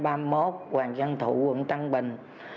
adora bốn trăm ba mươi một hoàng văn thụ quận trăng bình